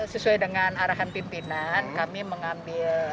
sesuai dengan arahan pimpinan kami mengambil